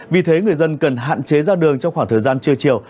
vì thế người dân cần hạn chế ra đường trong khoảng thời gian trưa chiều